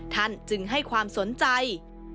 ท่านจึงให้ความสนใจ